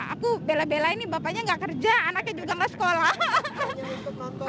aku bela belain nih bapaknya nggak kerja anaknya juga nggak sekolah